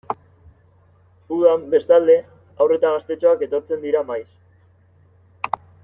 Udan, bestalde, haur eta gaztetxoak etortzen dira maiz.